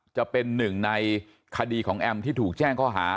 จะเป็นหนึ่งในคดีของแอมที่ถูกแจ้งข้อหา